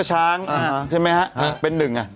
ช้างใช่ไหมฮะเป็นหนึ่งอ่ะ